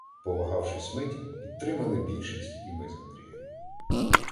Повагавшись мить, підтримали більшість і ми з Андрієм.